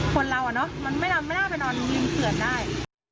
คนเรามันไม่น่าไปนอนลิงเผื่อนได้